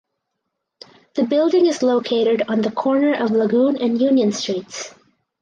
The building is located on the corner of Lagoon and Union streets.